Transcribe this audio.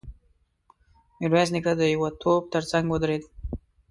ميرويس نيکه د يوه توپ تر څنګ ودرېد.